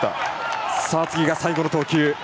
次が最後の投球。